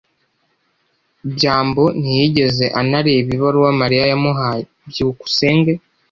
byambo ntiyigeze anareba ibaruwa Mariya yamuhaye. byukusenge